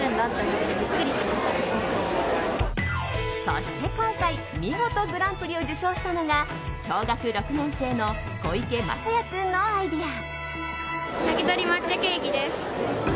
そして今回見事グランプリを受賞したのが小学６年生の小池諒哉君のアイデア。